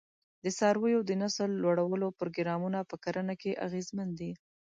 د څارویو د نسل لوړولو پروګرامونه په کرنه کې اغېزمن دي.